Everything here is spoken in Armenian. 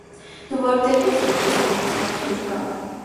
- Դու ո՞րտեղից գիտես, թե ինձ մոտ հյուր կա: